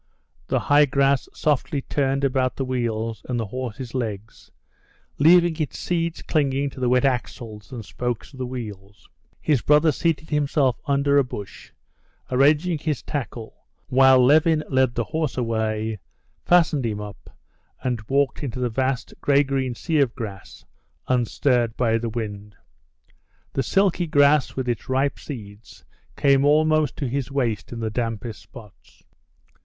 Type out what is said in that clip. The high grass softly turned about the wheels and the horse's legs, leaving its seeds clinging to the wet axles and spokes of the wheels. His brother seated himself under a bush, arranging his tackle, while Levin led the horse away, fastened him up, and walked into the vast gray green sea of grass unstirred by the wind. The silky grass with its ripe seeds came almost to his waist in the dampest spots.